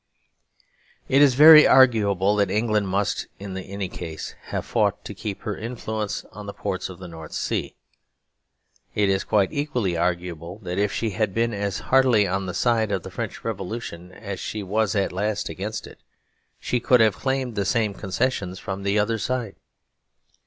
It is very arguable that England must, in any case, have fought to keep her influence on the ports of the North Sea. It is quite equally arguable that if she had been as heartily on the side of the French Revolution as she was at last against it, she could have claimed the same concessions from the other side.